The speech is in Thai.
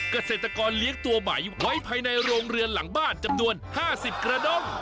เกษตรกรเลี้ยงตัวใหม่ไว้ภายในโรงเรือนหลังบ้านจำนวน๕๐กระด้ง